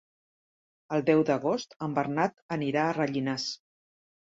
El deu d'agost en Bernat anirà a Rellinars.